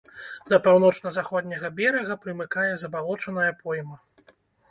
Да паўночна-заходняга берага прымыкае забалочаная пойма.